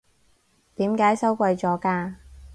點解收貴咗㗎？